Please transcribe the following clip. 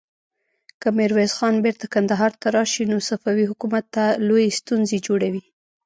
که ميرويس خان بېرته کندهار ته راشي، نو صفوي حکومت ته لويې ستونزې جوړوي.